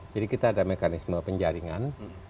jadi kita ada mekanisme penjaringan